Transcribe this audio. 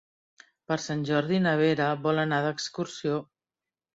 Per Sant Jordi na Vera vol anar d'excursió.